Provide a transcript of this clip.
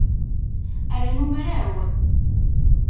Rnu mraw.